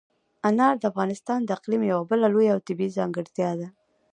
انار د افغانستان د اقلیم یوه بله لویه او طبیعي ځانګړتیا ده.